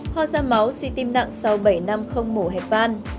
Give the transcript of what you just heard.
hoa da máu suy tim nặng sau bảy năm không mổ hẹp van